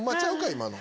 今の。